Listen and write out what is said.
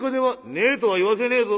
「ねえとは言わせねえぞ！」。